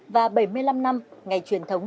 và bảy mươi năm năm ngày truyền thống